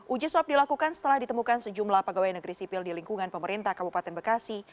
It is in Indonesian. uji swab dilakukan setelah ditemukan sejumlah pegawai negeri sipil di lingkungan pemerintah kabupaten bekasi